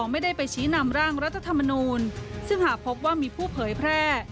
ไม่ได้ไปชี้นำร่างรัฐธรรมนูลซึ่งหากพบว่ามีผู้เผยแพร่